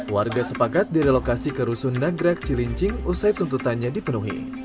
warga sepakat direlokasi ke rusun nagrak cilincing usai tuntutannya dipenuhi